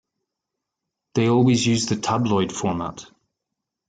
They always use the tabloid format.